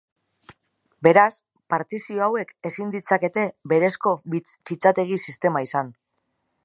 Beraz, partizio hauek ezin ditzakete berezko fitxategi sistema izan.